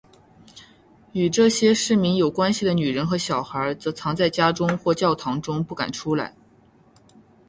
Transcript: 与这些市民有关系的女人和小孩则藏在家中或教堂中不敢出来。